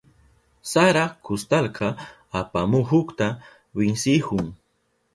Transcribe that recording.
Sara kustalka apamuhukta winsihun.